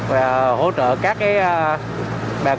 và hỗ trợ các bà con